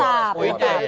iya bahwa tetap